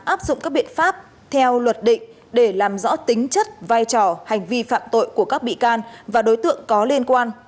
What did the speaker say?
áp dụng các biện pháp theo luật định để làm rõ tính chất vai trò hành vi phạm tội của các bị can và đối tượng có liên quan